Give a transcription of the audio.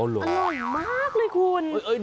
อร่อยมากเลยคุณ